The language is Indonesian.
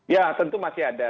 ya tentu masih ada